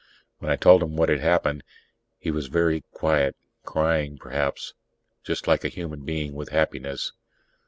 When I told him what had happened, he was very quiet; crying, perhaps, just like a human being, with happiness.